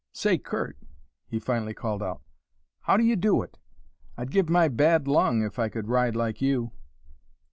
"Say, Curt," he finally called out, "how do you do it? I'd give my bad lung if I could ride like you."